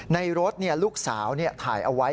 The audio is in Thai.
ในรถลูกสาวถ่ายเอาไว้